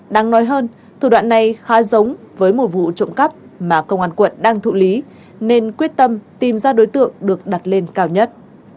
đáng nói hơn thủ đoạn này khá giống với một vụ trộm cắp mà công an quận đang thụ lý nên quyết tâm tìm ra đối tượng được đặt lên cao nhất